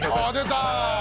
出た！